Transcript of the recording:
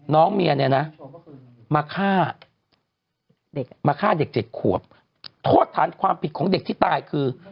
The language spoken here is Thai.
น้องเมียเนี่ยนะมาฆ่าเด็กมาฆ่าเด็ก๗ขวบโทษฐานความผิดของเด็กที่ตายคือ